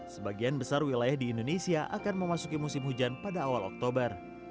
sebagian besar wilayah di indonesia akan memasuki musim hujan pada awal oktober